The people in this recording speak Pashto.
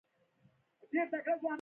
د هر یو غړپ سره یې